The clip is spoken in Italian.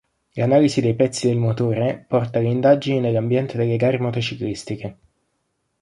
L'analisi dei pezzi del motore porta le indagini nell'ambiente delle gare motociclistiche.